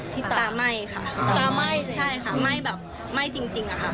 ที่ตาไหม้ค่ะตาไหม้ใช่ค่ะไหม้แบบไหม้จริงอะค่ะ